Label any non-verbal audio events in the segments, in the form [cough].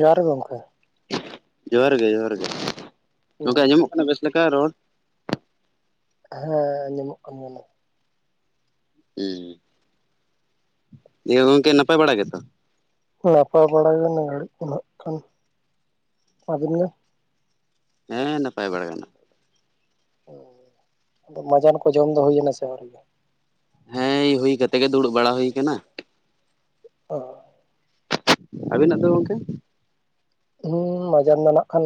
ᱡᱚᱦᱟᱨ ᱜᱮ ᱜᱚᱢᱠᱮ ᱡᱚᱦᱟᱨ ᱜᱮ ᱡᱚᱦᱟᱨ ᱜᱮ ᱜᱚᱢᱠᱮ ᱦᱮᱸ ᱟᱸᱡᱚᱢᱚᱜ ᱠᱟᱱᱟ ᱵᱮᱥ ᱞᱮᱠᱟ ᱨᱚᱲ ᱦᱮᱸ ᱟᱸᱡᱚᱢᱚᱜ ᱠᱟᱱ ᱜᱮᱭᱟ ᱦᱩᱸᱻ ᱤᱭᱮ ᱜᱚᱢᱠᱮ ᱱᱟᱯᱟᱭ ᱵᱟᱲᱟ ᱜᱮᱛᱚ ᱱᱟᱯᱟᱭ ᱵᱟᱲᱟ ᱜᱮ ᱱᱤᱭᱟᱹ ᱜᱷᱟᱹᱲᱤᱡ ᱠᱚ ᱱᱷᱟᱜ ᱠᱷᱟᱱ ᱟᱹᱵᱤᱱ ᱜᱮ ᱦᱮᱸ ᱱᱟᱯᱟᱭ ᱵᱟᱲᱟ ᱜᱮ ᱱᱟᱜ ᱟᱫᱚ ᱢᱟᱡᱟᱱ ᱠᱚ ᱡᱚᱢ ᱫᱚ ᱦᱩᱭ ᱮᱱᱟ ᱥᱮ ᱟᱹᱣᱨᱤᱭᱟ ᱦᱮᱸ ᱮᱭ ᱦᱩᱭ ᱠᱟᱛᱮ ᱜᱮ ᱫᱩᱲᱩᱵ ᱵᱟᱲᱟ ᱦᱩᱭ ᱟᱠᱟᱱᱟ ᱚᱦᱚᱻ ᱟᱹᱵᱤᱱᱟᱜ ᱫᱚ ᱜᱚᱢᱠᱮ ᱦᱮᱸ ᱢᱟᱡᱟᱱ ᱫᱚ ᱱᱷᱟᱜ ᱠᱷᱟᱱ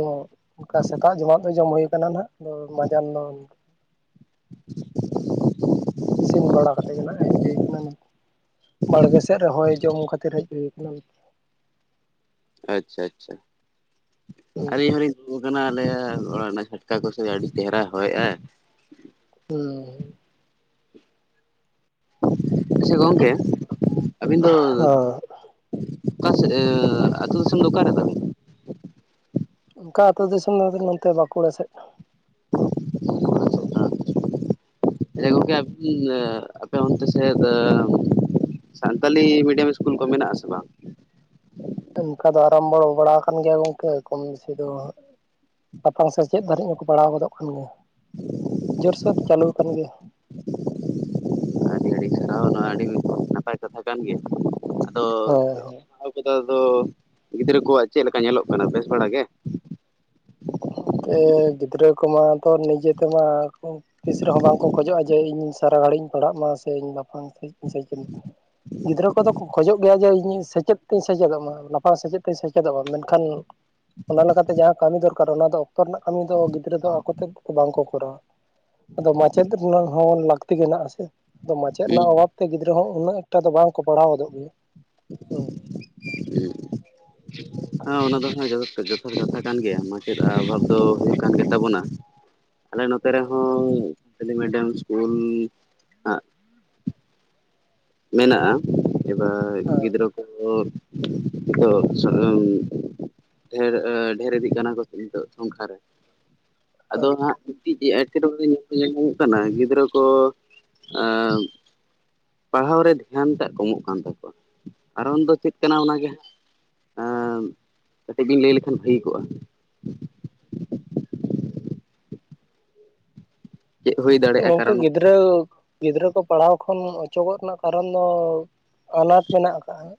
ᱚᱱᱠᱟ ᱥᱮᱛᱟᱜ ᱡᱚᱢᱟᱜ ᱫᱚ ᱡᱚᱢ ᱦᱳᱭ ᱟᱠᱟᱱᱟ ᱱᱷᱟᱜ ᱟᱫᱚ ᱢᱟᱡᱟᱱ ᱫᱚ [inaudible] ᱤᱥᱤᱱ ᱵᱟᱲᱟ ᱠᱟᱛᱮᱜ ᱜᱮ ᱱᱷᱟᱜ ᱦᱮᱡ ᱦᱩᱭ ᱟᱠᱟᱱᱟ ᱵᱟᱲᱜᱮ ᱥᱮᱫ ᱨᱮ ᱦᱚᱭ ᱡᱚᱢ ᱠᱷᱟᱹᱛᱤᱨ ᱦᱮᱡ ᱦᱩᱭ ᱠᱟᱱᱟ ᱟᱪᱪᱷᱟ ᱟᱪᱪᱷᱟ ᱦᱩᱸ ᱟᱹᱞᱤᱧ ᱦᱩᱞᱤᱧ ᱫᱩᱲᱩᱵ ᱠᱟᱱᱟ ᱞᱮ ᱚᱲᱟᱜ ᱨᱮᱱᱟᱜ ᱪᱷᱟᱴᱠᱟ ᱠᱚᱥᱮᱜ ᱟᱹᱰᱤ ᱪᱮᱦᱨᱟ ᱦᱚᱭᱮᱜᱟ ᱦᱩᱸ ᱦᱩᱸ ᱟᱪᱪᱷᱟ ᱜᱚᱢᱠᱮ ᱟᱹᱵᱤᱱ ᱫᱚ ᱦᱮᱸ ᱚᱠᱟ ᱥᱮᱫ, ᱟᱛᱩ ᱫᱤᱥᱚᱢ ᱫᱚ ᱚᱠᱟ ᱨᱮ ᱛᱟᱵᱤᱱ ᱚᱱᱠᱟ ᱟᱛᱳ ᱫᱤᱥᱚᱢ [inaudible] ᱵᱟᱠᱩᱲᱟ ᱥᱮᱫ [inaudible] ᱦᱩᱸ [unintelligible] ᱟᱯᱮ ᱚᱱᱛᱮ ᱥᱮᱫ ᱥᱟᱱᱛᱟᱞᱤ ᱢᱤᱰᱤᱭᱟᱢ ᱤᱥᱠᱩᱞ ᱠᱚ ᱢᱮᱱᱟᱜ ᱟᱥᱮ ᱵᱟᱝ ᱚᱱᱠᱟ ᱫᱚ ᱟᱨᱟᱢᱵᱷᱚ ᱵᱟᱲᱟ ᱟᱠᱟᱱ ᱜᱮᱭᱟ ᱜᱚᱝᱠᱮ ᱠᱚᱢ ᱵᱮᱥᱤ ᱫᱚ, ᱞᱟᱯᱟᱝ ᱥᱮ ᱪᱮᱫ ᱫᱷᱟᱹᱨᱤᱡ ᱦᱚᱸᱠᱚ ᱯᱟᱲᱟᱣ ᱜᱚᱫᱚᱜ ᱠᱟᱱ ᱜᱮᱭᱟ, [unintelligible] ᱥᱳᱨ ᱪᱟᱹᱞᱩᱣᱟ ᱟᱠᱟᱱ ᱜᱮᱭᱟ᱾ ᱟᱹᱰᱤ ᱟᱹᱰᱤ ᱥᱟᱨᱦᱟᱣ ᱱᱚᱣᱟ ᱟᱹᱰᱤ ᱱᱟᱯᱟᱭ ᱠᱟᱛᱷᱟ ᱠᱟᱱ ᱜᱮᱭᱟ᱾ ᱟᱫᱚ ᱦᱮᱸ ᱦᱮᱸ [unintelligible] ᱫᱚ ᱜᱤᱫᱽᱨᱟᱹ ᱠᱚᱣᱟᱜ ᱪᱮᱫ ᱞᱮᱠᱟ ᱧᱮᱞᱚᱜ ᱠᱟᱱᱟ ᱵᱮᱥ ᱵᱟᱲᱟ ᱜᱮ, ᱜᱤᱫᱽᱨᱟᱹ ᱠᱚᱢᱟ ᱛᱚ ᱱᱤᱡᱮ ᱛᱮᱢᱟ ᱛᱤᱥ ᱨᱮᱦᱚᱸ ᱵᱟᱝᱠᱚ ᱠᱷᱚᱡᱚᱜᱼᱟ ᱡᱮ, ᱤᱧ ᱥᱟᱨᱟ ᱜᱷᱟᱹᱲᱤᱡ ᱤᱧ ᱯᱟᱲᱦᱟᱜ ᱢᱟ ᱥᱮ ᱤᱧ ᱵᱟ ᱥᱟᱭᱠᱮᱞ [unintelligible] ᱜᱤᱫᱽᱨᱟᱹ ᱠᱚᱫᱚ ᱠᱚ ᱠᱷᱚᱡᱚᱜ ᱜᱮᱭᱟ ᱡᱮ ᱤᱧ ᱥᱮᱪᱮᱫ ᱛᱤᱧ ᱥᱮᱪᱮᱫᱚᱜ ᱢᱟ ᱞᱟᱯᱷᱟᱝ ᱥᱮᱪᱮᱫ ᱛᱤᱧ ᱥᱮᱪᱮᱫᱚᱜ ᱢᱟ, ᱢᱮᱱᱠᱷᱟᱱ ᱚᱱᱟ ᱞᱮᱠᱟᱛᱮ ᱡᱟᱦᱟᱸ ᱠᱟᱹᱢᱤ ᱫᱚᱨᱠᱟᱨ ᱚᱱᱟ ᱫᱚ ᱚᱠᱛᱚ ᱨᱮᱱᱟᱜ ᱠᱟᱹᱢᱤ ᱫᱚ ᱜᱤᱫᱽᱨᱟᱹ ᱫᱚ ᱟᱠᱚᱛᱮᱫ ᱵᱟᱝ ᱠᱚ ᱠᱚᱨᱟᱣ-ᱟ, ᱟᱫᱚ ᱢᱟᱪᱮᱫ ᱨᱮᱱᱟᱜ ᱦᱚᱸ ᱞᱟᱹᱠᱛᱤ ᱢᱮᱱᱟᱜᱼᱟ ᱟᱥᱮ ᱟᱫᱚ ᱢᱟᱪᱮᱫ ᱨᱮᱱᱟᱜ ᱦᱩᱸ ᱚᱵᱷᱟᱵᱽ ᱛᱮ ᱜᱤᱫᱽᱨᱟᱹ ᱦᱚᱸ ᱩᱱᱟᱹᱜ ᱮᱠᱴᱟ ᱫᱚ ᱵᱟᱝᱠᱚ ᱯᱟᱲᱦᱟᱣ ᱜᱚᱫᱚᱜ ᱜᱮᱭᱟ ᱾ᱦᱩᱸ ᱦᱸ [unintelligible] ᱦᱮᱸ ᱚᱱᱟ ᱫᱚ ᱦᱮᱸ ᱡᱚᱛᱷᱟᱛ ᱠᱟᱛᱷᱟ ᱠᱟᱱ ᱜᱮᱭᱟ, ᱢᱟᱪᱮᱫ ᱚᱵᱷᱟᱵᱽ ᱫᱚ ᱦᱩᱭᱩᱜ ᱠᱟᱱ ᱜᱮ ᱛᱟᱵᱚᱱᱟ᱾ ᱟᱞᱮ ᱱᱚᱛᱮ ᱨᱮᱦᱚᱸ ᱥᱟᱱᱛᱟᱞᱤ ᱢᱤᱰᱤᱭᱟᱢ ᱥᱠᱩᱞ ᱦᱟᱸᱜ ᱢᱮᱱᱟᱜᱼᱟ, ᱮᱵᱟᱨ ᱜᱤᱫᱽᱨᱟᱹ ᱠᱚ [inaudible] ᱰᱷᱮᱨ ᱰᱷᱮᱨ ᱤᱫᱤᱜ ᱠᱟᱱᱟ ᱠᱚ ᱱᱤᱛᱚᱜ ᱥᱚᱝᱠᱷᱟ ᱨᱮ ᱟᱫᱚ ᱟᱪᱪᱷᱟ ᱦᱟᱸᱜ ᱢᱤᱫᱴᱤᱡ ᱨᱮ ᱧᱮᱞ ᱧᱟᱢᱚᱜ ᱠᱟᱱᱟ ᱜᱤᱫᱽᱨᱟᱹ ᱠᱚ ᱟᱸ ᱯᱟᱲᱦᱟᱣ ᱨᱮ ᱫᱷᱮᱭᱟᱱ ᱴᱟᱜ ᱠᱚᱢᱚᱜ ᱠᱟᱱ ᱛᱟᱠᱚᱣᱟ, ᱠᱟᱨᱚᱱ ᱫᱚ ᱪᱮᱫ ᱦᱩᱸ ᱠᱟᱱᱟ ᱚᱱᱟᱜᱮ ᱮ ᱠᱟᱹᱴᱤᱡ ᱵᱮᱱ ᱞᱟᱹᱭ ᱞᱮᱠᱷᱟᱱ ᱵᱷᱟᱹᱜᱤ ᱠᱚᱜᱼᱟ᱾ ᱦᱩᱸ ᱪᱮᱫ ᱦᱩᱭ ᱫᱟᱟᱲ ᱜᱚᱝᱠᱮ ᱜᱤᱫᱽᱨᱟᱹ ᱜᱤᱫᱽᱨᱟᱹ ᱠᱚ ᱯᱟᱲᱦᱟᱣ ᱠᱷᱚᱱ ᱚᱪᱚᱜᱚᱜ ᱨᱮᱱᱟᱜ ᱠᱟᱨᱚᱱ ᱫᱚ ᱟᱱᱟᱴ ᱢᱮᱱᱟᱜ ᱟᱠᱟᱫᱟ,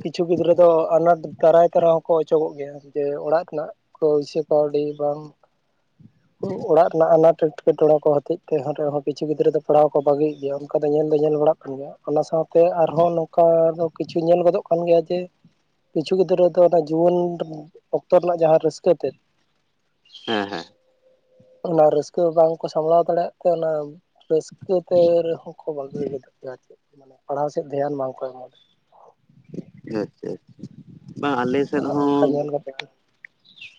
ᱠᱤᱪᱷᱩ ᱜᱤᱫᱽᱨᱟᱹ ᱫᱚ ᱟᱱᱟᱴ ᱫᱟᱨᱟᱭ ᱛᱮ ᱨᱮᱦᱚᱸᱠᱚ ᱚᱪᱚᱜᱚᱜ ᱜᱮᱭᱟ ᱡᱮ ᱚᱲᱟᱜ ᱠᱷᱚᱱᱟᱜ [unintelligible] ᱠᱟᱹᱣᱰᱤ ᱵᱟᱝ [unintelligible] [unintelligible] ᱚᱲᱟᱜ ᱨᱮᱱᱟᱜ ᱟᱱᱟᱴ ᱮᱴᱠᱮᱴᱚᱬᱮ ᱠᱷᱚᱱ ᱦᱚᱛᱮᱫ ᱛᱮ ᱮᱡ ᱛᱮᱦ [unintelligible] [unintelligible] ᱨᱮᱦᱚᱸ ᱠᱤᱪᱷᱩ ᱜᱤᱫᱽᱨᱟᱹ ᱫᱚ ᱯᱟᱲᱦᱟᱣ ᱠᱚ ᱵᱟᱹᱜᱤᱭᱮᱫ ᱜᱮᱭᱟ ᱚᱱᱠᱟ ᱫᱚ ᱧᱮᱞ ᱫᱚ ᱧᱮᱞ ᱵᱟᱲᱟᱜ ᱠᱟᱱ ᱜᱮᱭᱟ᱾ ᱚᱱᱟ ᱥᱟᱶᱛᱮ ᱟᱨᱦᱚᱸ ᱱᱚᱝᱠᱟ ᱫᱚ ᱠᱤᱪᱷᱩ ᱧᱮᱞ ᱜᱚᱫᱚᱜ ᱠᱟᱱ ᱜᱮᱭᱟ ᱡᱮ, ᱠᱤᱪᱷᱩ ᱜᱤᱫᱽᱨᱟᱹ ᱫᱚ ᱚᱱᱟ ᱡᱩᱣᱟᱹᱱ ᱚᱠᱛᱚ ᱨᱮᱱᱟᱜ ᱡᱟᱦᱟᱸ ᱨᱟᱹᱥᱠᱟᱹ ᱛᱮᱫ ᱦᱮᱸ ᱦᱮᱸ ᱚᱱᱟ ᱨᱟᱹᱥᱠᱟᱹ ᱵᱟᱝᱠᱚ ᱥᱟᱸᱢᱵᱷᱟᱲᱟᱣ ᱫᱟᱲᱮᱭᱟᱜ ᱛᱮ ᱚᱱᱟ ᱨᱟᱹᱥᱠᱟᱹ ᱛᱮ ᱨᱮᱦᱚᱸ ᱠᱚ ᱵᱟᱹᱜᱤ ᱜᱚᱫᱚᱜ ᱜᱮᱭᱟ ᱪᱮᱫ ᱢᱟᱱᱮ ᱯᱟᱲᱦᱟᱣ ᱥᱮᱫ ᱫᱷᱮᱭᱟᱱ ᱵᱟᱝᱠᱚ ᱮᱢᱚᱜ-ᱟ᱾ ᱟᱪᱪᱷᱟ ᱟᱪᱪᱷᱟ ᱵᱟᱝ ᱟᱞᱮ ᱥᱮᱫ ᱦᱚᱸ ᱚᱱᱠᱟ ᱧᱮᱞ ᱠᱟᱛᱮ ᱱᱚᱝᱠᱟ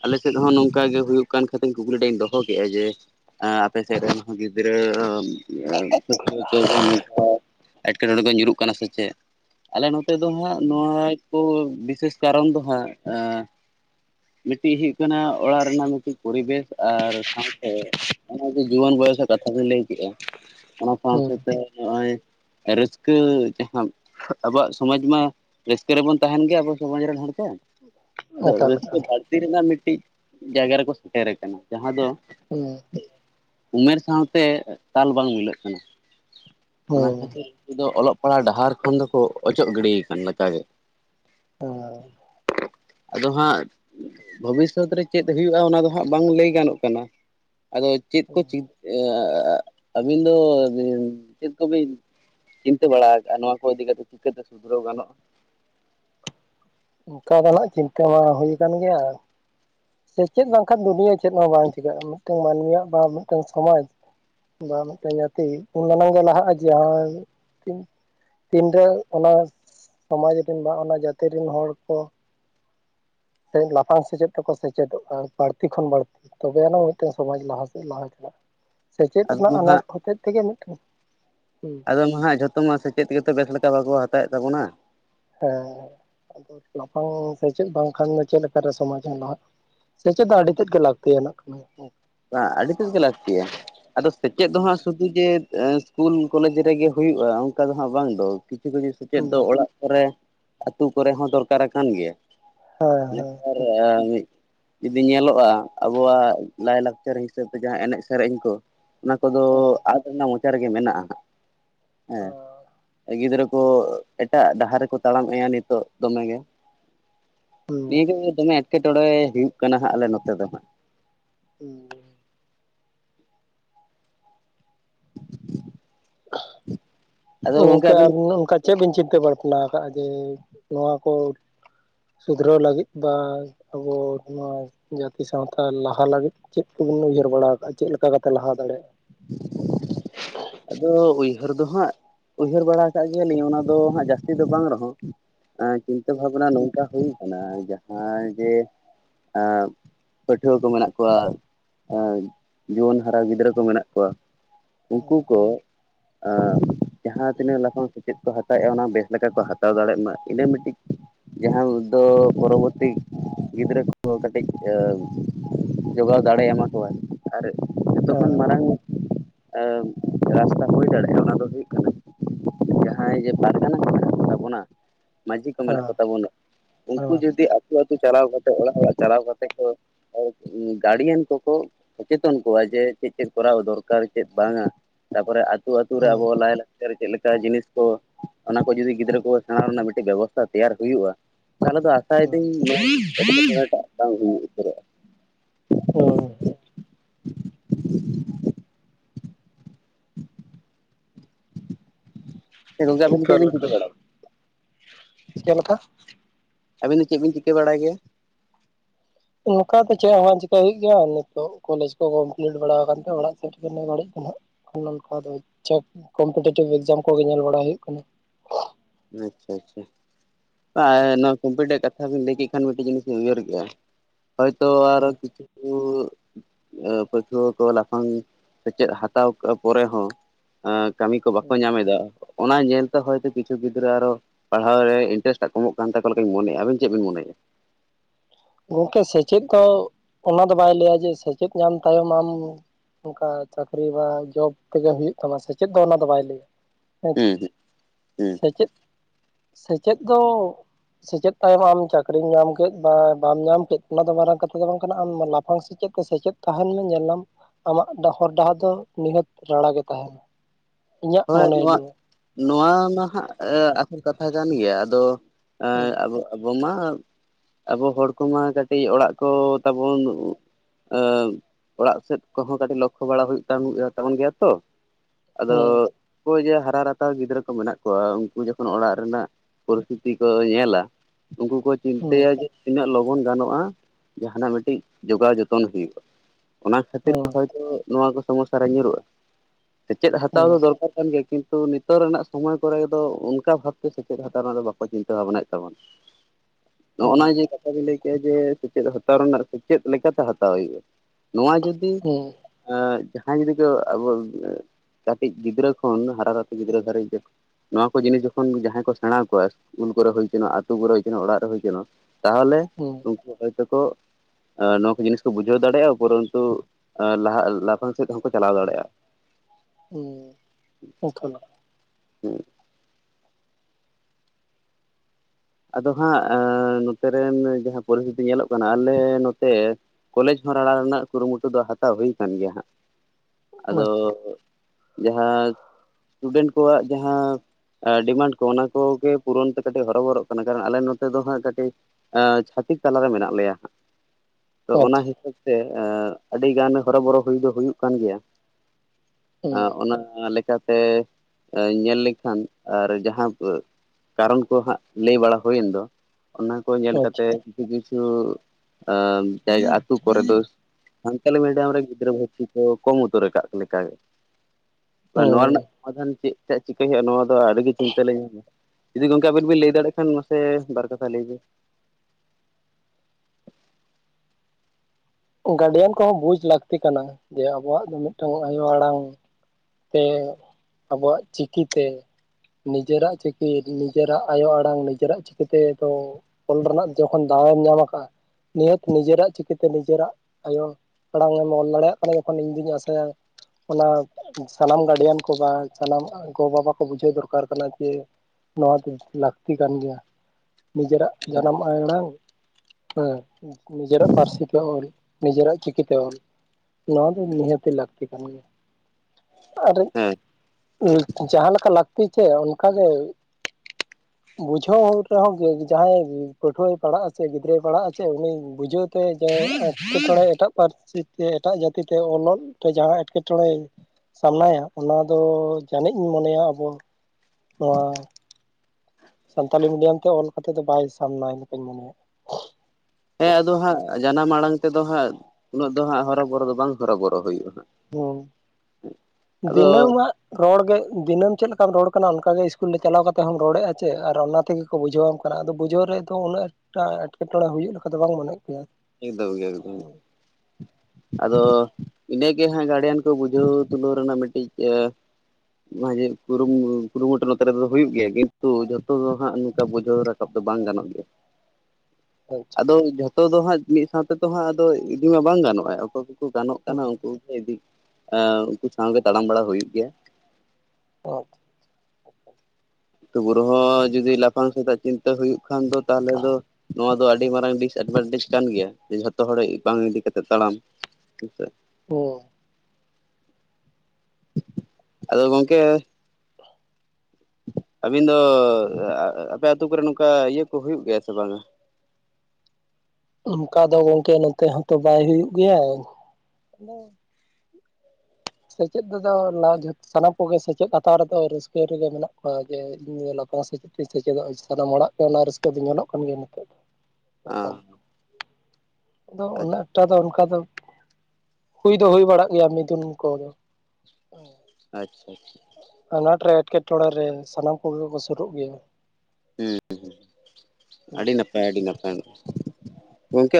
ᱟᱞᱮ ᱥᱮᱫ ᱦᱚᱸ ᱱᱚᱝᱠᱟ ᱜᱮ ᱦᱩᱭᱩᱜ ᱠᱟᱱ ᱠᱷᱟᱹᱛᱤᱨ ᱠᱩᱠᱞᱤ ᱴᱟᱜ ᱤᱧ ᱫᱚᱦᱚ ᱠᱮᱫᱼᱟ ᱡᱮ, ᱟᱯᱮ ᱥᱮᱫ ᱨᱮᱱ ᱦᱚᱸ ᱜᱤᱫᱽᱨᱟᱹ [unintelligible] ᱠᱚ ᱮᱸᱴᱠᱮᱴᱚᱬᱮ ᱠᱚ ᱧᱩᱨᱩᱜ ᱠᱟᱱᱟ ᱥᱮ ᱪᱮᱫ ᱟᱞᱮ ᱱᱚᱛᱮ ᱫᱚ ᱦᱟᱸᱜ ᱱᱚᱣᱟ ᱠᱚ ᱵᱤᱥᱮᱥ ᱠᱟᱨᱚᱱ ᱫᱚ ᱦᱟᱸᱜ ᱢᱤᱫᱴᱮᱱ ᱦᱩᱭᱩᱜ ᱠᱟᱱᱟ ᱚᱲᱟᱜ ᱨᱮᱱᱟᱜ ᱢᱤᱫᱴᱤᱡ ᱯᱚᱨᱤᱵᱮᱥ ᱟᱨ ᱥᱟᱶᱛᱮ ᱚᱱᱟᱫᱚ ᱡᱩᱣᱟᱹᱱ ᱵᱚᱭᱚᱥ ᱟᱜ ᱠᱟᱛᱷᱟ ᱫᱚᱧ ᱞᱟᱹᱭ ᱠᱮᱫᱼᱟ, ᱚᱱᱟ ᱥᱟᱶ ᱦᱩᱸ ᱥᱟᱶᱛᱮ ᱱᱚᱜᱼᱚᱭ ᱨᱟᱹᱥᱠᱟᱹ ᱡᱟᱦᱟᱸ ᱟᱵᱚᱣᱟᱜ ᱥᱚᱢᱟᱡᱽ ᱢᱟ ᱨᱟᱹᱥᱠᱟᱹ ᱨᱮᱵᱚᱱ ᱛᱟᱦᱮᱱ ᱜᱮᱭᱟ ᱟᱵᱚ ᱥᱚᱢᱟᱡᱽ ᱨᱮᱱ ᱦᱚᱲ ᱫ‌ᱚ ᱟᱫᱚ ᱚᱱᱠᱟ ᱞᱮᱠᱟ ᱨᱟᱹᱥᱠᱟᱹ ᱛᱤᱱᱟᱹᱜ ᱜᱟᱱ ᱢᱤᱫᱴᱤᱡ ᱡᱟᱭᱜᱟ ᱨᱮᱠᱚ ᱥᱮᱴᱮᱨ ᱟᱠᱟᱱᱟ ᱡᱟᱦᱟᱸ ᱫᱚ ᱦᱮᱸ ᱩᱢᱮᱨ ᱥᱟᱶᱛᱮ ᱛᱟᱞ ᱵᱟᱝ ᱢᱤᱞᱟᱹᱜ ᱠᱟᱱᱟ, ᱚᱱᱟ ᱦᱩᱸ ᱠᱷᱟᱹᱛᱤᱨ ᱩᱱᱠᱩ ᱫᱚ ᱚᱞᱚᱜ ᱯᱟᱲᱦᱟᱜ ᱰᱟᱦᱟᱨ ᱠᱷᱚᱱ ᱫᱚᱠᱚ ᱚᱪᱚᱜ ᱜᱤᱰᱤ ᱟᱠᱟᱱ ᱞᱮᱠᱟᱜᱮ᱾ ᱦᱮᱸ ᱟᱫᱚ ᱦᱟᱸᱜ ᱵᱷᱚᱵᱤᱥᱥᱚᱛ ᱨᱮ ᱪᱮᱫ ᱦᱩᱭᱩᱜᱼᱟ ᱚᱱᱟ ᱫᱚ ᱦᱟᱸᱜ ᱵᱟᱝ ᱞᱟᱹᱭ ᱜᱟᱱᱚᱜ ᱠᱟᱱᱟ᱾ ᱟᱫᱚ ᱪᱮᱫ ᱠᱚ ᱟᱹᱵᱤᱱ ᱫᱚ ᱪᱮᱫ ᱠᱚᱵᱤᱱ? ᱪᱤᱱᱛᱟᱹ ᱵᱟᱲᱟ ᱟᱠᱟᱜᱼᱟ ᱱᱚᱣᱟ ᱠᱚ ᱤᱫᱤ ᱠᱟᱛᱮ ᱪᱤᱠᱟᱹᱛᱮ ᱥᱩᱫᱷᱨᱟᱹᱣ ᱜᱟᱱᱚᱜᱼᱟ? ᱚᱱᱠᱟ ᱫᱚ ᱱᱟᱜ ᱪᱤᱱᱛᱟᱹ ᱢᱟ ᱦᱩᱭ ᱟᱠᱟᱱ ᱜᱮᱭᱟ᱾ ᱥᱮᱪᱮᱫ ᱵᱟᱝᱠᱷᱟᱱ ᱫᱩᱱᱭᱟᱹ ᱪᱮᱫ ᱦᱚᱸ ᱵᱟᱝ ᱪᱤᱠᱟᱹᱜᱼᱟ᱾ ᱢᱤᱫᱴᱟᱝ ᱢᱟᱹᱱᱢᱤᱭᱟᱜ ᱵᱟ ᱢᱤᱫᱴᱟᱝ ᱥᱚᱢᱟᱡᱽ ᱵᱟ ᱢᱤᱫᱴᱮᱱ ᱡᱟᱛᱤ ᱩᱱ [unintelligible] ᱜᱮ ᱞᱟᱦᱟᱜᱼᱟ ᱡᱟᱦᱟᱸᱭ ᱛᱤᱱᱰᱟᱜ ᱚᱱᱟ ᱥᱚᱢᱟᱡᱽ ᱨᱮᱱ ᱵᱟ ᱚᱱᱟ ᱡᱟᱹᱛᱤ ᱨᱮᱱ ᱦᱚᱲ ᱠᱚ ᱥᱮ ᱞᱟᱯᱷᱟᱝ ᱥᱮᱪᱮᱫ ᱛᱮᱠᱚ ᱥᱮᱪᱮᱫᱚᱜᱼᱟ ᱵᱟᱹᱲᱛᱤ ᱠᱷᱚᱱ ᱵᱟᱹᱲᱛᱤ᱾ ᱛᱚᱵᱮᱭᱟᱱᱟᱝ ᱢᱤᱫᱴᱟᱝ ᱥᱚᱢᱟᱡᱽ ᱞᱟᱦᱟᱥᱮᱫ ᱞᱟᱦᱟ ᱪᱟᱞᱟᱜᱼᱟ᱾ ᱥᱮᱪᱮᱫ ᱟᱫᱚ ᱨᱮᱱᱟᱜ ᱦᱟᱸᱜ ᱟᱱᱟᱴ ᱦᱚᱛᱮᱡ ᱛᱮᱜᱮ ᱢᱤᱫᱴᱟᱝ ᱦᱮ ᱟᱫᱚ ᱢᱟ ᱦᱟᱸᱜ ᱡᱷᱚᱛᱚ ᱢᱟ ᱥᱮᱪᱮᱫ ᱜᱮᱛᱚ ᱵᱮᱥ ᱞᱮᱠᱟ ᱵᱟᱠᱚ ᱦᱟᱛᱟᱣᱮᱫ ᱛᱟᱵᱚᱱᱟ᱾ ᱦᱮᱸ ᱞᱟᱯᱷᱟᱝ ᱥᱮᱪᱮᱫ ᱵᱟᱝᱠᱷᱟᱱ ᱫᱚ ᱪᱮᱫ ᱞᱮᱠᱟᱨᱮ ᱥᱚᱢᱟᱡ ᱦᱚᱸ ᱞᱟᱦᱟᱜᱼᱟ? ᱥᱮᱪᱮᱫ ᱫᱚ ᱟᱹᱰᱤ ᱛᱮᱫ ᱜᱮ ᱞᱟᱹᱠᱛᱤᱭᱟᱱᱟᱜ ᱠᱟᱱᱟ᱾ ᱟᱹᱰᱤᱛᱮᱫ ᱜᱮ ᱞᱟᱠᱛᱤᱭᱟ᱾ ᱟᱫᱚ ᱥᱮᱪᱮᱫ ᱫᱚ ᱦᱟᱸᱜ ᱥᱩᱫᱷᱩ ᱡᱮ ᱥᱠᱩᱞ ᱠᱚᱞᱮᱡᱽ ᱨᱮᱜᱮ ᱦᱩᱭᱩᱜᱼᱟ ᱚᱱᱠᱟ ᱫᱚ ᱦᱟᱸᱜ ᱵᱟᱝ ᱫᱚ ᱠᱤᱪᱷᱩ ᱠᱤᱪᱷᱩ ᱥᱮᱪᱮᱫ ᱫᱚ ᱚᱲᱟᱜ ᱠᱚᱨᱮ ᱟᱹᱛᱩ ᱠᱚᱨᱮ ᱦᱚᱸ ᱫᱚᱨᱠᱟᱨ ᱟᱠᱟᱱ ᱜᱮᱭᱟ᱾ ᱟᱨ ᱢᱤᱫ ᱡᱩᱫᱤ ᱧᱮᱞᱚᱜᱼᱟ ᱟᱵᱚᱣᱟᱜ ᱞᱟᱭ ᱞᱟᱠᱪᱟᱨ ᱦᱤᱥᱟᱹᱵ ᱛᱮ ᱡᱟᱦᱟᱸ ᱮᱱᱮᱡ ᱥᱮᱨᱮᱧ ᱠᱚ ᱚᱱᱟ ᱠᱚᱫᱚ ᱚᱸ ᱟᱫᱚ ᱚᱱᱟ ᱢᱚᱪᱟ ᱨᱮᱜᱮ ᱢᱮᱱᱟᱜᱼᱟ ᱦᱟᱸᱜ ᱜᱤᱫᱽᱨᱟᱹ ᱠᱚ ᱮᱴᱟᱜ ᱰᱟᱦᱟᱨ ᱨᱮᱠᱚ ᱛᱟᱲᱟᱢᱮᱜᱼᱟ ᱱᱤᱛᱚᱜ ᱫᱚᱢᱮ ᱜᱮ ᱱᱤᱭᱟᱹ ᱠᱚ ᱫᱚᱢᱮ ᱮᱴᱠᱮᱴᱚᱬᱮ ᱦᱩᱭᱩᱜ ᱠᱟᱱᱟ ᱦᱟᱸᱜ ᱟᱞᱮ ᱱᱚᱛᱮ ᱫᱚ ᱦᱟᱸᱜ᱾ ᱦᱮᱸ᱾ [inaudible] ᱜᱚᱝᱠᱮ ᱟᱵᱤᱱ ᱚᱱᱠᱟ ᱪᱮ ᱵᱤᱱ ᱪᱤᱱᱛᱟᱹ ᱵᱷᱟᱵᱽᱱᱟ ᱟᱠᱟᱫᱼᱟ ᱡᱮ ᱱᱚᱣᱟ ᱠᱚ ᱥᱩᱫᱷᱨᱟᱹᱣ ᱞᱟᱹᱜᱤᱫ ᱵᱟ ᱟᱵᱚ ᱱᱚᱣᱟ ᱡᱟᱛᱤ ᱥᱟᱶᱛᱟ ᱞᱟᱦᱟ ᱞᱟᱹᱜᱤᱫ ᱪᱮᱫ ᱠᱚᱵᱚᱱ ᱩᱭᱦᱟᱹᱨ ᱵᱟᱲᱟ ᱟᱠᱟᱜᱼᱟ ᱪᱮᱫ ᱞᱮᱠᱟ ᱠᱟᱛᱮ ᱞᱟᱦᱟ ᱫᱟᱲᱮᱭᱟᱜᱼᱟ? [unintelligible] ᱟᱫᱚ ᱩᱭᱦᱟᱹᱨ ᱫᱚ ᱦᱟᱸᱜ ᱩᱭᱦᱟᱹᱨ ᱵᱟᱲᱟ ᱠᱟᱜ ᱜᱮᱭᱟᱞᱤᱧ ᱚᱱᱟ ᱫᱚ ᱦᱟᱸᱜ ᱡᱟᱹᱥᱛᱤ ᱫᱚ ᱵᱟᱝ ᱨᱮᱦᱚᱸ᱾ ᱪᱤᱱᱛᱟᱹ ᱦᱮᱸ ᱵᱷᱟᱵᱱᱟ ᱱᱚᱝᱠᱟ ᱦᱩᱭ ᱠᱟᱱᱟ ᱡᱟᱦᱟᱸ ᱡᱮ ᱮᱸᱜ ᱯᱟᱹᱴᱷᱩᱣᱟᱹ ᱠᱚ ᱢᱮᱱᱟᱜ ᱠᱚᱣᱟ, ᱡᱩᱣᱟᱹᱱ ᱦᱟᱨᱟ ᱜᱤᱫᱽᱨᱟᱹ ᱠᱚ ᱢᱮᱱᱟᱜ ᱠᱚᱣᱟ, ᱩᱱᱠᱩ ᱠᱚ ᱡᱟᱦᱟᱸ ᱛᱤᱱᱟᱹᱜ ᱞᱟᱯᱷᱟᱝ ᱥᱮᱪᱮᱫ ᱠᱚ ᱦᱟᱛᱟᱣᱮᱜᱼᱟ ᱚᱱᱟ ᱵᱮᱥ ᱞᱮᱠᱟ ᱠᱚ ᱦᱟᱛᱟᱣ ᱫᱟᱲᱮᱭᱟᱜ᱾ ᱢᱟ ᱤᱱᱟᱹ ᱢᱤᱫᱴᱤᱡ ᱡᱟᱦᱟᱸ ᱫᱚ ᱯᱚᱨᱚᱵᱚᱨᱛᱤ ᱜᱤᱫᱽᱨᱟᱹ ᱠᱚ ᱠᱟᱹᱴᱤᱡ ᱡᱚᱜᱟᱣ ᱫᱟᱲᱮ ᱮᱢᱟᱠᱚᱣᱟᱭ ᱟᱨ ᱡᱚᱛᱚ ᱠᱷᱚᱱ ᱮᱠᱟᱞ ᱢᱟᱲᱟᱝ ᱨᱟᱥᱛᱟ ᱦᱩᱭ ᱫᱟᱲᱮᱭᱟᱜᱼᱟ ᱚᱱᱟ ᱫᱚ ᱦᱩᱭᱩᱜ ᱠᱟᱱᱟ ᱡᱟᱦᱟᱸᱭ ᱡᱮ ᱯᱟᱨᱜᱟᱱᱟ ᱢᱮᱱᱟᱜ ᱠᱚ ᱛᱟᱵᱚᱱᱟ ᱢᱟᱹᱡᱷᱤ ᱠᱚ ᱢᱮᱱᱟᱜ ᱮᱠᱟᱞ ᱠᱚᱛᱟ ᱵᱚᱱᱟ ᱩᱱᱠᱩ ᱡᱩᱫᱤ ᱟᱹᱛᱩ ᱟᱹᱛᱩ ᱪᱟᱞᱟᱣ ᱠᱟᱛᱮᱜ ᱚᱲᱟᱜ ᱚᱲᱟᱜ ᱪᱟᱞᱟᱣ ᱠᱟᱛᱮᱜ ᱠᱚ ᱟᱨ ᱜᱟᱨᱰᱤᱭᱮᱱ ᱠᱚᱠᱚ ᱥᱚᱪᱮᱛᱚᱱ ᱠᱚᱣᱟ ᱡᱮ ᱪᱮᱫ ᱪᱮᱫ ᱠᱚᱨᱟᱣ ᱫᱚᱨᱠᱟᱨ ᱪᱮᱫ ᱵᱟᱝᱟ᱾ ᱛᱟᱯᱚᱨ ᱟᱹᱛᱩ ᱟᱹᱛᱩ ᱨᱮ ᱟᱵᱚ ᱞᱟᱭ ᱞᱟᱠᱪᱟᱨ ᱪᱮᱫ ᱞᱮᱠᱟ ᱡᱤᱱᱤᱥ ᱠᱚ ᱚᱱᱟ ᱠᱚ ᱡᱩᱫᱤ ᱜᱤᱫᱽᱨᱟᱹ ᱠᱚ ᱥᱮᱬᱟ ᱨᱮᱱᱟᱜ ᱢᱤᱫᱴᱮᱱ ᱵᱮᱵᱚᱥᱛᱟ ᱛᱮᱭᱟᱨ ᱦᱩᱭᱩᱜᱼᱟ᱾ ᱛᱟᱦᱚᱞᱮ ᱫᱚ ᱟᱥᱟᱭᱫᱟᱹᱧ ᱱᱚᱣᱟ ᱮᱴᱠᱮᱴᱚᱬᱮ ᱴᱟᱜ ᱵᱟᱝ ᱦᱩᱭ ᱩᱛᱟᱹᱨᱚᱜᱼᱟ᱾ ᱚᱸ ᱦᱮᱸ ᱜᱚᱢᱠᱮ ᱟᱵᱤᱱ ᱫᱚ ᱪᱮᱫ ᱵᱤᱱ ᱪᱤᱠᱟᱹ ᱵᱟᱲᱟᱭᱟ? [inaudible] ᱪᱮᱫ ᱞᱮᱠᱟ ᱟᱵᱤᱱ ᱫᱚ ᱪᱮᱫ ᱵᱤᱱ ᱪᱤᱠᱟᱹ ᱵᱟᱲᱟᱭ ᱜᱮᱭᱟ? ᱱᱚᱝᱠᱟ ᱫᱚ ᱪᱮᱫ ᱦᱚᱸ ᱵᱟᱝ ᱪᱤᱠᱟᱹᱭ ᱦᱩᱭᱩᱜ ᱜᱮᱭᱟ ᱱᱤᱛᱚᱜ ᱠᱚᱞᱮᱡᱽ ᱠᱚ ᱠᱚᱢᱯᱞᱤᱴ ᱵᱟᱲᱟᱣ ᱠᱟᱱ ᱛᱮ ᱚᱲᱟᱜ ᱥᱮᱫ ᱨᱮᱜᱮ [unintelligible] ᱠᱟᱱᱟᱜ ᱚᱱᱠᱟ ᱫᱚ [unintelligible] ᱠᱚᱢᱯᱤᱴᱮᱴᱤᱵᱷ ᱮᱠᱡᱟᱢ ᱠᱚᱜᱮ ᱧᱮᱞ ᱵᱟᱲᱟ ᱦᱩᱭᱩᱜ ᱠᱟᱱᱟ᱾ ᱟᱪᱪᱷᱟ ᱟᱪᱪᱷᱟ ᱱᱚᱣᱟ ᱠᱚᱢᱯᱮᱴᱤ ᱠᱟᱛᱷᱟ ᱵᱤᱱ ᱞᱟᱹᱭ ᱠᱮᱫ ᱠᱷᱟᱱ ᱢᱤᱫᱴᱮᱱ ᱡᱤᱱᱤᱥ ᱞᱤᱧ ᱩᱭᱦᱟᱹᱨ ᱠᱮᱜᱼᱟ ᱦᱚᱭᱛᱳ ᱟᱨᱚ ᱠᱤᱪᱷᱩ ᱯᱟᱹᱴᱷᱩᱣᱟᱹ ᱠᱚ ᱞᱟᱯᱷᱟᱝ ᱥᱮᱪᱮᱫ ᱦᱟᱛᱟᱣ ᱯᱚᱨᱮ ᱦᱚᱸ ᱠᱟᱹᱢᱤ ᱠᱚ ᱵᱟᱠᱚ ᱧᱟᱢ ᱮᱟ ᱚᱱᱟ ᱧᱮᱞᱛᱮ ᱦᱚᱭᱛ ᱠᱤᱪᱷᱩ ᱠᱤᱪᱷᱩ ᱜᱤᱫᱽᱨᱟᱹ ᱟᱨᱚ ᱯᱟᱲᱦᱟᱣ ᱤᱱᱴᱟᱨᱮᱥᱴᱟᱜ ᱠᱚᱢᱚᱜ ᱠᱟᱱ ᱛᱠᱚ ᱞᱮᱠᱟᱧ ᱢᱚᱱᱮᱜᱼᱟ ᱟᱵᱮᱱ ᱪᱮᱫ ᱵᱮᱱ ᱢᱚᱱᱮᱼᱟ ᱜᱚᱢᱠᱮ ᱥᱮᱪᱮᱫ ᱫᱚ ᱚᱱᱟ ᱫᱚ ᱵᱟᱭ ᱞᱟᱹᱭᱟ ᱡᱮ ᱥᱮᱪᱮᱫ ᱧᱟᱢ ᱛᱟᱭᱚᱢ ᱟᱢ ᱚᱱᱠᱟ ᱪᱟᱹᱠᱨᱤ ᱵᱟ ᱡᱚᱵ ᱛᱮᱜᱮ ᱦᱩᱭᱩᱜ ᱛᱟᱢᱟ ᱥᱮ ᱪᱮᱫ ᱫᱚ ᱚᱱᱟ ᱫᱚ ᱵᱟᱭ ᱞᱟᱹᱭᱟ ᱦᱩᱸ ᱦᱩᱸ [unintelligible] ᱦᱩᱸ ᱥᱮᱪᱮᱫ ᱥᱮᱪᱮᱫ ᱫᱚ ᱥᱮᱪᱮᱫ ᱛᱟᱭᱚᱢ ᱟᱢ ᱪᱟᱹᱠᱨᱤᱢ ᱧᱟᱢ ᱠᱮᱫ ᱵᱟ ᱵᱟᱢ ᱧᱟᱢ ᱠᱮᱫ ᱚᱱᱟ ᱫᱚ ᱢᱟᱨᱟᱝ ᱠᱟᱛᱷᱟ ᱫᱚ ᱵᱟᱝ ᱠᱟᱱᱟ ᱟᱢ ᱞᱟᱯᱷᱟᱝ ᱥᱮᱪᱮᱫ ᱛᱮ ᱥᱮᱪᱮᱫ ᱛᱟᱦᱮᱱ ᱢᱮ ᱧᱮᱞᱞᱟᱢ ᱟᱢᱟᱜ ᱰᱟᱦᱚᱨ ᱦᱚᱨ ᱰᱟᱦᱟᱨ ᱫᱚ ᱱᱤᱦᱟᱹᱛ ᱨᱟᱲᱟᱜ ᱜᱮ ᱛᱟᱦᱮᱱᱟ ᱤᱧᱟᱹᱜ ᱦᱳᱭ ᱢᱚᱱᱮᱭ ᱱᱚᱣᱟ ᱞᱟᱹᱭᱟ ᱱᱚᱣᱟ ᱢᱟ ᱦᱜ ᱟᱠᱥᱚᱞ ᱠᱟᱛᱷᱟ ᱠᱟᱱ ᱜᱮᱭᱟ ᱟᱫᱚ ᱮ ᱦᱩᱸ ᱟᱵᱚ ᱟᱵᱚ ᱢᱟ ᱟᱵᱚ ᱦᱚᱲ ᱠᱚᱢᱟ ᱠᱟᱹᱴᱤᱡ ᱚᱲᱟᱜ ᱠᱚ ᱛᱟᱵᱚᱱ ᱚᱲᱟᱜ ᱥᱮᱫ ᱠᱚᱦᱚᱸ ᱠᱟᱹᱴᱤᱡ ᱞᱚᱠᱠᱷᱚ ᱵᱟᱲᱟ ᱦᱩᱭᱩᱜ ᱦᱩᱭᱩᱜ ᱛᱟᱵᱚᱱ ᱜᱮᱭᱟ ᱛᱚ ᱦᱩᱸ ᱟᱫᱚ ᱚ ᱡᱮ ᱦᱟᱨᱟ ᱨᱟᱛᱟᱣ ᱜᱤᱫᱽᱨᱟᱹ ᱠᱚ ᱢᱮᱱᱟᱜ ᱠᱚᱣᱟ ᱩᱱᱠᱩ ᱡᱚᱠᱷᱚᱱ ᱚᱲᱟᱜ ᱨᱮᱱᱟᱜ ᱯᱚᱨᱤᱥᱛᱷᱤᱛᱤ ᱠᱚ ᱧᱮᱞᱟ ᱩᱱᱠᱩ ᱠᱚᱼᱼ ᱦᱩᱸ ᱪᱤᱱᱛᱟᱹᱭᱟ ᱡᱮ ᱛᱤᱱᱟᱹᱜ ᱞᱚᱜᱚᱱ ᱜᱟᱱᱚᱜᱼᱟ ᱡᱟᱦᱟᱱᱟᱜ ᱢᱤᱫᱴᱤᱡ ᱡᱚᱜᱟᱣ ᱡᱚᱛᱚᱱ ᱦᱩᱭᱩᱜᱼᱟ ᱚᱱᱟ ᱠᱷᱟᱹᱛᱤᱨ ᱦᱩᱸ ᱦᱚᱭᱛᱚ ᱱᱚᱣᱟ ᱠᱚ ᱥᱚᱢᱚᱥᱥᱟ ᱨᱮ ᱧᱩᱨᱩᱜᱼᱟ ᱥᱮ ᱪᱮᱫ ᱦᱟᱛᱟᱣ ᱦᱩᱸ ᱫᱚ ᱫᱚᱨᱠᱟᱨ ᱠᱟᱛᱷᱟ ᱠᱟᱱ ᱜᱮᱭᱟ ᱠᱤᱱᱛᱩ ᱱᱤᱛᱚᱜ ᱨᱮᱱᱟᱜ ᱥᱚᱢᱚᱭ ᱠᱚᱨᱮ ᱫᱚ ᱚᱱᱠᱟ ᱵᱷᱟᱵᱛᱮ ᱥᱮᱪᱮᱫ ᱦᱟᱛᱟᱣ ᱨᱮᱱᱟᱜ ᱫᱚ ᱵᱟᱠᱚ ᱪᱤᱱᱛᱟᱹ ᱵᱷᱟᱱᱟᱭ ᱛᱟᱵᱚᱱᱟ [inaudible] ᱱᱚᱜᱼ ᱦᱩᱸ ᱱᱚᱣᱟ ᱡᱮ ᱠᱟᱛᱷᱟ ᱞᱤᱧ ᱞᱟᱹᱭ ᱠᱮᱫᱮᱜᱼᱟ ᱡᱮ ᱥᱮᱪᱮᱫ ᱦᱟᱛᱟᱣ ᱨᱮᱱᱟᱜ ᱥᱮᱪᱮᱫ ᱞᱮᱠᱟᱛᱮ ᱦᱟᱛᱟᱣ ᱦᱩᱭᱩᱜᱼᱟ ᱱᱚᱣᱟ ᱡᱩᱫᱤ ᱦᱩᱸ ᱡᱟᱦᱟᱸᱭ ᱡᱩᱫᱤ ᱠᱚ ᱟᱵᱚ ᱠᱟᱹᱴᱤᱡ ᱜᱤᱫᱽᱨᱟᱹ ᱠᱚ ᱠᱷᱟᱱ ᱦᱟᱨ [unintelligible] ᱜᱤᱫᱽᱨᱟᱹ ᱫᱷᱷᱟᱨᱟᱭ ᱜᱮ ᱱᱚᱣᱟ ᱠᱚ ᱡᱤᱱᱤᱥ ᱡᱚᱠᱷᱚᱱ ᱡᱟᱦᱟᱸᱭ ᱠᱚ ᱥᱮᱬᱟ ᱠᱚᱣᱟ ᱤᱥᱠᱩᱞ ᱠᱚᱨᱮ ᱦᱩᱭᱪᱚ ᱟᱛ ᱠᱚᱨᱮ ᱦᱩᱭᱪᱮᱱᱚ ᱚᱲᱟᱜ ᱨᱮ ᱦᱩᱭᱪᱮᱱᱚ ᱛᱟᱦᱚᱞᱮ ᱦᱩᱸ ᱦᱚᱭ ᱛ ᱠᱩ ᱱᱚᱣᱟ ᱠᱚ ᱡᱤᱱᱤᱥ ᱠᱚ ᱵᱩᱡᱷᱟᱹᱣ ᱫᱟᱲᱮᱭᱟᱜᱼᱟ ᱩᱯᱚᱨᱚᱱᱛᱛ ᱞᱟᱦᱟ ᱞᱟᱯᱷᱟᱝ ᱥᱮᱫ ᱦᱚᱸᱠᱚ ᱪᱟᱞᱟᱣ ᱫᱟᱲᱮᱭᱟᱜᱼᱟ [unintelligible] ᱚᱱᱠᱟᱱᱟᱜ [unintelligible] ᱟᱫᱚ ᱦᱟᱸᱜ ᱱᱚᱛᱮ ᱨᱮᱱ ᱡᱟᱦᱟᱸ ᱯᱚᱨᱤᱥᱛᱷᱤᱛᱤ ᱧᱮᱞᱚᱜ ᱠᱟᱱᱟ ᱟᱞᱮ ᱱᱚᱛᱮ ᱠᱚᱞᱮᱡᱽ ᱦᱚᱸ ᱨᱟᱲᱟ ᱨᱮᱱᱟᱜ ᱠᱩᱨᱩᱢᱩᱴᱩ ᱫᱚ ᱦᱟᱛᱟᱣ ᱦᱩᱭ ᱟᱠ ᱜᱮᱭᱟ ᱦᱟᱸᱜ ᱟᱫᱚ ᱟᱪᱪᱷᱟ ᱡᱟᱦᱟᱸ ᱥᱴᱩᱰᱮᱱᱴ ᱠᱚᱣᱟᱜ ᱡᱟᱦᱟᱸ ᱰᱤᱢᱟᱱᱰ ᱠᱚ ᱚᱱᱟ ᱠᱚᱜᱮ ᱯᱩᱨᱚᱱ ᱛᱮ ᱠᱟᱹᱴᱤᱡ ᱦᱚᱨᱚᱵᱚᱨᱚᱜ ᱠᱟᱨᱚᱱ ᱟᱞᱮ ᱱᱚᱛᱮ ᱫᱚ ᱦᱟᱸᱜ ᱠᱟᱹᱴᱤᱡ ᱪᱷᱟᱛᱤᱠ ᱛᱟᱞᱟᱨᱮ ᱢᱮᱱᱟᱜ ᱞᱮᱭᱟ ᱛᱚ ᱚᱱᱟ ᱟᱪᱪᱷᱟ ᱦᱤᱥᱟᱹᱵ ᱛᱮ ᱟᱹᱰᱤᱜᱟᱱ ᱦᱚᱨᱚᱵᱚᱨᱚ ᱦᱩᱭ ᱫᱚ ᱦᱩᱭᱩᱜ ᱠᱟᱱ ᱜᱮᱭᱟ ᱦᱩᱸ ᱚᱱᱟ ᱞᱮᱠᱟᱛᱮ ᱧᱮᱞ ᱞᱮᱠᱷᱟᱱ ᱟᱨ ᱡᱟᱦᱟᱸ ᱠᱟᱨᱚᱱ ᱠᱚ ᱦᱟᱸᱜ ᱞᱟᱹᱭ ᱵᱟᱲᱟ ᱦᱩᱭᱮᱱ ᱫᱚ ᱚᱱᱟ ᱠᱚ ᱧᱮᱞ ᱟᱪᱪᱷᱟ ᱠᱟᱛᱮᱜ ᱠᱤᱪᱩ ᱠᱤᱪᱩ ᱟ ᱡᱟᱭᱜᱟ ᱟᱹᱛᱩ ᱠᱚᱨᱮ ᱫᱚ ᱥᱟᱱᱛᱟᱞᱤ ᱢᱤᱰᱤᱭᱟᱢ ᱨᱮ ᱜᱤᱫᱽᱨᱟᱹ ᱵᱷᱟᱹᱨᱛᱤ ᱠᱚ ᱠᱚᱢ ᱩᱛᱟᱹᱨ ᱟᱠᱟᱫ ᱞᱮᱠᱟᱜ ᱱᱚᱣᱟ ᱨᱮᱱᱟᱜ ᱦᱩᱸ ᱥᱚᱢᱟᱫᱷᱟᱱ ᱪᱮᱫ ᱪᱮᱫ ᱪᱤᱠᱟᱹᱭ ᱦᱩᱭᱩᱜᱼᱟ ᱱᱚᱣᱟ ᱫᱚ ᱟᱹᱰᱤᱜᱮ ᱪᱤᱱᱛᱟᱹ ᱞᱮ ᱧᱟᱢᱟ ᱡᱩᱫᱤ ᱜᱚᱝᱠᱮ ᱟᱵᱤᱱ ᱵᱤᱱ ᱞᱟᱹᱭ ᱫᱟᱲᱮᱭᱟᱜ ᱠᱷᱟᱱ ᱢᱟᱥᱮ ᱵᱟᱨ ᱠᱟᱛᱷᱟ ᱞᱟᱹᱭᱵᱮᱱ ᱜᱟᱨᱰᱤᱭᱟᱱ ᱠᱚᱦᱚᱸ ᱵᱩᱡᱽ ᱞᱟᱹᱠᱛᱤ ᱠᱟᱱᱟ ᱡᱮ ᱟᱵᱚᱣᱟᱜ ᱫᱚ ᱢᱤᱫᱴᱟᱝ ᱟᱭᱳ ᱟᱲᱟᱝ ᱛᱮ ᱟᱵᱚᱣᱟᱜ ᱪᱤᱠᱤᱛᱮ, ᱱᱤᱡᱮᱨᱟᱜ ᱪᱤᱠᱤ ᱱᱤᱡᱮᱨᱟᱜ ᱟᱭᱳ ᱟᱲᱟᱝ ᱱᱤᱡᱮᱨᱟᱜ ᱪᱤᱠᱤᱛᱮ ᱫᱚ, ᱚᱞ ᱨᱮᱱᱟᱜ ᱡᱚᱠᱷᱚᱱ ᱫᱟᱣᱮᱢ ᱧᱟᱢ ᱟᱠᱟᱟᱜᱼᱟ, ᱱᱤᱦᱟᱹᱛ ᱱᱤᱡᱮᱨᱟᱜ ᱪᱤᱠᱤᱛᱮ ᱱᱤᱡᱮᱨᱟᱜ ᱟᱭᱳ ᱟᱲᱟᱝᱢ ᱚᱞ ᱫᱟᱲᱮᱭᱟᱜ ᱠᱟᱱᱟ ᱡᱚᱠᱷᱚᱱ ᱤᱧ ᱫᱩᱧ ᱟᱥᱟᱭᱟ ᱚᱱᱟ ᱥᱟᱱᱟᱢ ᱜᱟᱨᱰᱤᱭᱟᱱ ᱠᱚ ᱵᱟ ᱥᱟᱱᱟᱢ ᱜᱚ ᱵᱟᱵᱟ ᱠᱚ ᱵᱩᱡᱷᱟᱹᱣ ᱫᱚᱨᱠᱟᱨ ᱠᱟᱱᱟ ᱡᱮ, ᱱᱚᱣᱟ ᱫᱚ ᱞᱟᱹᱠᱛᱤ ᱠᱟᱱ ᱜᱮᱭᱟ ᱱᱤᱡᱮᱨᱟᱜ ᱡᱟᱱᱟᱢ ᱟᱲᱟᱝ ᱦᱮᱸ ᱱᱤᱡᱮᱨᱟᱜ ᱯᱟᱹᱨᱥᱤ ᱛᱮ ᱚᱞ ᱱᱤᱡᱮᱨᱟᱜ ᱪᱤᱠᱤᱛᱮ ᱚᱞ, ᱱᱚᱣᱟ ᱫᱚ ᱱᱤᱦᱟᱹᱛᱤ ᱞᱟᱹᱠᱛᱤ ᱠᱟᱱ ᱜᱮᱭᱟ᱾ ᱟᱨ ᱦᱮᱸ ᱡᱟᱦᱟᱸ ᱞᱮᱠᱟ ᱞᱟᱹᱠᱛᱤ ᱪᱮ ᱚᱱᱠᱟᱜᱮ, [inaudible] ᱵᱩᱡᱷᱟᱹᱣ ᱨᱮᱦᱚᱸ ᱡᱟᱦᱟᱸᱭ ᱯᱟᱹᱴᱷᱩᱣᱟᱹᱭ ᱯᱟᱲᱦᱟᱜᱼᱟᱪᱮ ᱜᱤᱫᱽᱨᱟᱹᱭ ᱯᱟᱲᱦᱟᱜᱼᱟᱪᱮ ᱩᱱᱤ ᱵᱩᱡᱷᱟᱹᱣ, ᱛᱮ ᱮᱴᱠᱮᱴᱚᱬᱮ ᱮᱴᱟᱜ ᱯᱟᱹᱨᱥᱤ ᱛᱮ ᱮᱴᱟᱜ ᱡᱟᱹᱛᱤ ᱛᱮ ᱚᱞᱚᱜ ᱛᱮ ᱡᱟᱦᱟᱸ ᱮᱴᱠᱮᱴᱚᱬᱮ ᱥᱟᱢᱱᱟᱭᱟ, ᱚᱱᱟ ᱫᱚ ᱡᱟᱹᱱᱤᱡ ᱤᱧ ᱢᱚᱱᱮᱭᱟ ᱟᱵᱚ ᱱᱚᱣᱟ ᱥᱟᱱᱛᱟᱞᱤ ᱢᱤᱰᱤᱭᱟᱢ ᱛᱮ ᱚᱞ ᱠᱟᱛᱮᱫ ᱫᱚ ᱵᱟᱭ ᱥᱟᱢᱱᱟᱭ ᱤᱹᱠᱟᱧ ᱢᱚᱱᱮᱭᱟ᱾ ᱦᱮᱸ ᱟᱫᱚ ᱦᱟᱸᱜ ᱡᱟᱱᱟᱢ ᱟᱲᱟᱝ ᱛᱮᱫᱚ ᱦᱟᱸᱜ ᱩᱱᱟᱹᱜ ᱫᱚ ᱦᱟᱸᱜ ᱦᱚᱨᱚ ᱵᱚᱨᱚ ᱫᱚ ᱵᱟᱝ ᱦᱚᱨᱚᱵᱚᱨᱚ ᱦᱩᱭᱩᱜᱼᱟ ᱦᱟᱸᱜ᱾ ᱦᱮᱸ ᱟᱫᱚ ᱫᱤᱱᱟᱹᱢᱟᱜ ᱨᱚᱲ ᱜᱮ ᱫᱤᱱᱟᱹᱢ ᱪᱮᱫ ᱞᱮᱠᱟᱢ ᱨᱚᱲ ᱠᱟᱱᱟ ᱚᱱᱠᱟᱜᱮ ᱤᱥᱠᱩᱞ ᱨᱮ ᱪᱟᱞᱟᱣ ᱠᱟᱛᱮ ᱦᱚᱢ ᱨᱚᱲᱮᱫᱼᱟ ᱥᱮᱪᱮ ᱟᱨ ᱚᱱᱟ ᱛᱮᱜᱮ, ᱵᱩᱡᱷᱟᱹᱣᱟᱢ ᱠᱟᱱᱟ ᱟᱫᱚ ᱵᱩᱡᱷᱟᱹᱣ ᱨᱮ ᱫᱚ ᱩᱱᱟᱹᱜ ᱮᱴᱟ ᱮᱴᱠᱮᱴᱚᱬᱮ ᱦᱩᱭᱩᱜ ᱞᱮᱠᱟ ᱫᱚ ᱵᱟᱝ ᱢᱮᱱᱮᱜ ᱜᱮᱭᱟ᱾ [unintelligible] ᱟᱫᱚ ᱤᱱᱟᱹᱜᱮ ᱦᱟᱸᱜ ᱜᱟᱨᱰᱭᱟᱱ ᱠᱚ ᱵᱩᱡᱷᱟᱹᱣ ᱛᱩᱞᱟᱹᱣ ᱨᱮᱱᱟᱜ ᱢᱤᱫᱴᱤᱡ, ᱵᱷᱟᱜᱮ ᱠᱩᱨᱩᱢᱩᱴᱩ ᱱᱚᱛᱮ ᱨᱮᱫᱚ ᱦᱩᱭᱩᱜ ᱜᱮᱭᱟ ᱠᱤᱱᱛᱩ ᱡᱷᱚᱛᱚ ᱫᱚ ᱦᱟᱸᱜ ᱱᱚᱝᱠᱟ ᱵᱩᱡᱷᱟᱹᱣ ᱨᱮ ᱫᱚ ᱵᱟᱝ ᱜᱟᱱᱚᱜ ᱜᱮᱭᱟ᱾ ᱟᱪᱪᱷᱟ ᱟᱫᱚ ᱡᱷᱚᱛᱚ ᱫᱚ ᱦᱟᱸᱜ ᱢᱤᱫ ᱥᱟᱶᱛᱮ ᱫᱚ ᱦᱟᱸᱜ ᱟᱫᱚ ᱤᱫᱤ ᱢᱟ ᱵᱟᱝ ᱜᱟᱱᱚᱜᱼᱟ ᱚᱠᱚᱭ ᱠᱚᱠᱚ ᱜᱟᱱᱚᱜ ᱦᱩᱸ ᱠᱟᱱᱟ ᱩᱱᱠᱩ, ᱤᱫᱤ ᱩᱱᱠᱩ ᱥᱟᱶᱜᱮ ᱛᱟᱲᱟᱢ ᱵᱟᱲᱟ ᱦᱩᱭᱩᱜ ᱜᱮᱭᱟ᱾ [unintelligible] ᱛᱚᱵᱩᱱᱨᱮᱦᱚ ᱡᱩᱫᱤ ᱞᱟᱯᱷᱟᱝ ᱥᱮᱫᱟᱜ ᱪᱤᱱᱛᱟᱹ ᱦᱩᱭᱩᱜ ᱠᱷᱟᱱ ᱫᱚ ᱛᱟᱦᱚᱞᱮ ᱫᱚ, ᱱᱚᱣᱟ ᱫᱚ ᱟᱹᱰᱤ ᱢᱟᱨᱟᱝ ᱰᱤᱥ ᱮᱰᱵᱷᱟᱱᱴᱮᱡᱽ ᱠᱟᱱ ᱜᱮᱭᱟ ᱡᱷᱚᱛᱚ ᱦᱚᱲ ᱵᱟᱝ ᱤᱫᱤ ᱠᱟᱛᱮᱫ ᱛᱟᱲᱟᱢ, ᱦᱮᱸᱥᱮ [unintelligible] ᱟᱫᱚ ᱜᱚᱢᱠᱮ ᱟᱹᱵᱤᱱ ᱫᱚ ᱟᱯᱮ ᱟᱹᱛᱩ ᱠᱚᱨᱮ ᱱᱚᱝᱠᱟ ᱤᱭᱟᱹ ᱠᱚ ᱦᱩᱭᱩᱜ ᱜᱮᱭᱟ ᱥᱮ ᱵᱟᱝᱟ? ᱚᱱᱠᱟ ᱫᱚ ᱜᱚᱝᱠᱮ ᱱᱚᱛᱮ ᱦᱚᱸᱛᱚ ᱵᱟᱭ ᱦᱩᱭᱩᱜ ᱜᱮᱭᱟᱭ᱾ ᱥᱮᱪᱮᱫ ᱛᱮᱫᱚ ᱥᱟᱱᱟᱢ ᱠᱚᱜᱮ ᱥᱮᱪᱮᱫ ᱦᱟᱛᱟᱣ ᱨᱮᱫᱚ ᱨᱟᱹᱥᱠᱟᱹ ᱨᱮᱜᱮ ᱢᱮᱱᱟᱜ ᱠᱚᱣᱟ ᱡᱮ, ᱤᱧ ᱧᱮᱞᱚᱜ ᱠᱟᱱᱟ ᱥᱮᱪᱮᱫ ᱛᱮᱧ ᱥᱮᱪᱮᱫᱚᱜᱼᱟ ᱥᱟᱱᱟᱢ ᱦᱚᱲᱟᱜ ᱜᱮ ᱚᱱᱟ ᱨᱟᱹᱥᱠᱟᱹ ᱫᱚ ᱧᱮᱞᱚᱜ ᱠᱟᱱ ᱜᱮᱭᱟ ᱱᱤᱛᱚᱜ ᱫᱚ, ᱚ ᱟᱫᱚ ᱟᱪᱪᱷᱟ ᱩᱱᱟᱹᱜ ᱮᱠᱴᱟ ᱫᱚ ᱚᱱᱠᱟ ᱫᱚ ᱦᱩᱭ ᱫᱚ ᱦᱩᱭ ᱵᱟᱲᱟᱜ ᱜᱮᱭᱟ ᱢᱤᱫᱩᱱ ᱠᱚᱫᱚ᱾ ᱟᱪᱪᱷᱟ ᱟᱪᱪᱷᱟ ᱟᱱᱟᱴᱨᱮ ᱮᱴᱠᱮᱴᱚᱬᱮ ᱨᱮ ᱥᱟᱱᱟᱢ ᱠᱚᱜᱮ ᱠᱚ ᱥᱩᱨᱩᱜ ᱜᱮᱭᱟ᱾ ᱦᱩᱸ ᱦᱩᱸ ᱦᱩᱸ ᱟᱹᱰᱤ ᱱᱟᱯᱟᱭ ᱟᱹᱰᱤ ᱱᱟᱯᱟᱭ ᱜᱚᱢᱠᱮ